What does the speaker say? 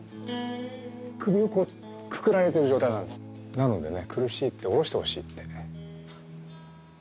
なのでね。